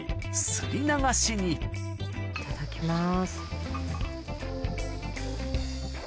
すり流しにいただきます。